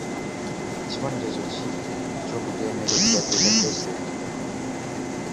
Kibonerezo ki eky'okujeemera ekiragiro kya pulezidenti?